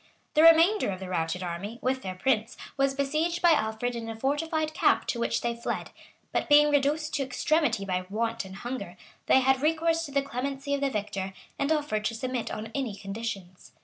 The remainder of the routed army, with their prince, was besieged by Alfred in a fortified camp to which they fled; but being reduced to extremity by want and hunger, they had recourse to the clemency of the victor, and offered to submit on any conditions.